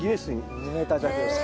２メーター弱ですね。